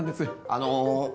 あの。